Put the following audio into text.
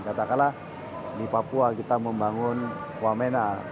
katakanlah di papua kita membangun wamena